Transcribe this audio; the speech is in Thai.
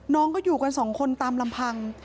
น้องก็อยู่กันสองคนตามลำพัง